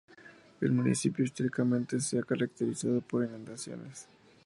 El municipio históricamente se ha caracterizado por las inundaciones.